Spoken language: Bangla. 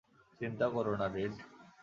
চিন্তা করো না, রেড।